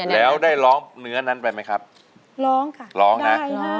แล้วได้ร้องเนื้อนั้นไปไหมครับร้องค่ะร้องนะ